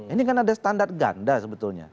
ini kan ada standar ganda sebetulnya